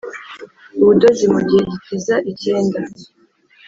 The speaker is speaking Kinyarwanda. ubudozi mugihe gikiza icyenda